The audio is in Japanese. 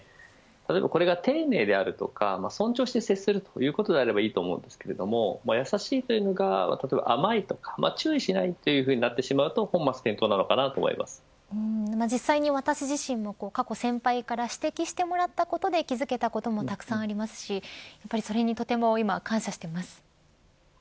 例えばこれが丁寧であるとか尊重して接するということであればいいと思うんですけど優しいというのが、甘いとか注意しないということになってしまうと実際に私自身も過去先輩から指摘してもらったことで気付けたこともたくさんありますしそれに今とても感謝しています。